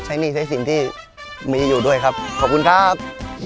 หนี้ใช้สินที่มีอยู่ด้วยครับขอบคุณครับ